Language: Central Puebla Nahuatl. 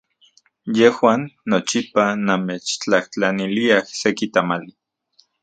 Yejuan nochipa namechtlajtlaniliaj seki tamali.